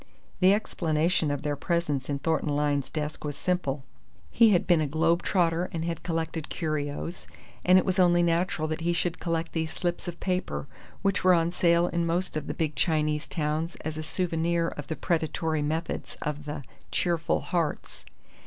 The explanation of their presence in Thornton Lyne's desk was simple. He had been a globetrotter and had collected curios, and it was only natural that he should collect these slips of paper, which were on sale in most of the big Chinese towns as a souvenir of the predatory methods of the "Cheerful Hearts."